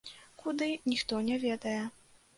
Куды, ніхто не ведае.